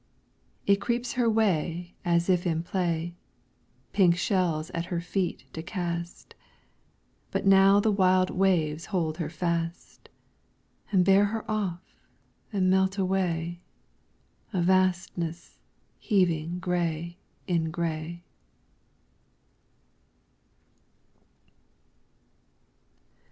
It creeps her way as if in play, Pink shells at her pink feet to cast; But now the wild waves hold her fast, And bear her off and melt away, A vastness heaving gray in gray.